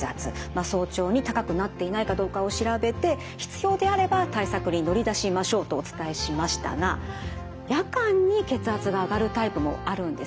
早朝に高くなっていないかどうかを調べて必要であれば対策に乗り出しましょうとお伝えしましたが夜間に血圧が上がるタイプもあるんですね。